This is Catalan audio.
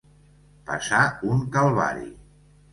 Passar un calvari.